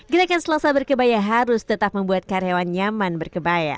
gerakan selasa berkebaya harus tetap membuat karyawan nyaman berkebaya